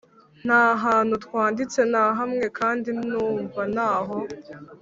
nta hantu twanditse na hamwe, kandi numva ntaho